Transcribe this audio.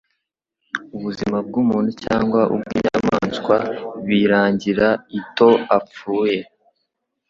ubuzima bw umuntu cyangwa ubw inyamaswa birangira ito apfuye